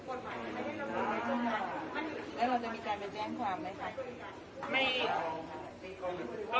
แล้วเราจะมีการไปแจ้งความไหมคะ